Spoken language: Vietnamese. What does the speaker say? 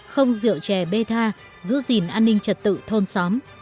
không rượu chè bê tha giữ gìn an ninh trật tự thôn xóm